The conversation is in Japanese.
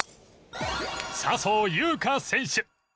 笹生優花選手。